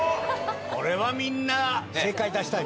これはみんな正解出したい。